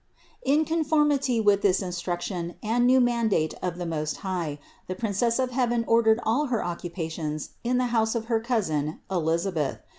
232. In conformity with this instruction and new mandate of the Most High, the Princess of heaven or dered all her occupations in the house of her cousin Elisabeth.